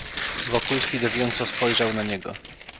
"Wokulski drwiąco spojrzał na niego."